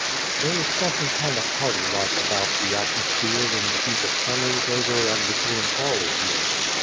There's sompin kind o' hearty like about the atmosphere When the heat of summer's over and the coolin' fall is here.